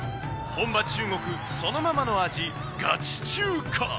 本場中国そのままの味、ガチ中華。